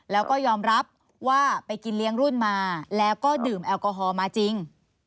แล้วก็ยอมรับว่าไปกินเลี้ยงรุ่นมาแล้วก็ดื่มแอลกอฮอล์มาจริง